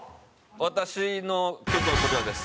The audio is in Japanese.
私の曲はこちらです。